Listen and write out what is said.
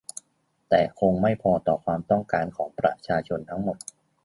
แต่คงไม่พอต่อความต้องการของประชาชนทั้งหมด